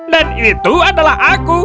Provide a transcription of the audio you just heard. dan itu adalah aku